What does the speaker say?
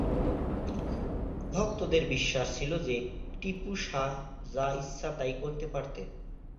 ভক্তদের বিশ্বাস ছিলো যে, টিপু শাহ যা ইচ্ছা তাই করতে পারতেন।